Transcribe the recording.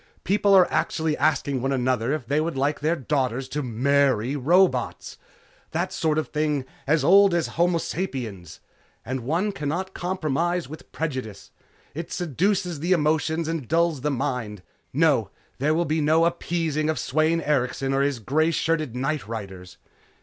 People are actually asking one another if they would like their daughters to marry robots. That sort of thing, as old as homo sapiens. And one cannot compromise with prejudice. It seduces the emotions and dulls the mind. No, there will be no appeasing of Sweyn Erikson or his grey shirted nightriders!"